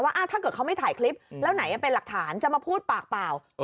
ถ้าเกิดเขาไม่ถ่ายคลิปแล้วไหนเป็นหลักฐานจะมาพูดปากเปล่า